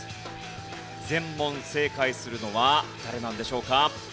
全問正解するのは誰なんでしょうか？